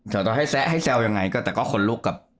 แต่ต่อให้แซะให้แซวยังไงก็แต่ก็คนลุกกับ